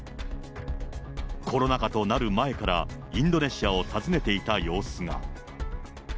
コロナ禍となる前から、インドネシアを訪ねていた様子が。